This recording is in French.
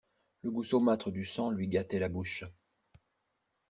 Le goût saumâtre du sang lui gâtait la bouche.